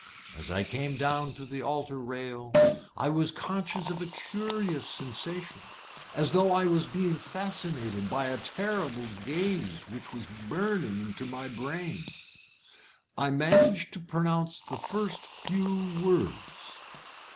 As I came down to the altar rail I was conscious of a curious sensation as though I was being fascinated by a terrible gaze which was burning into my brain. I managed to pronounce the first few words.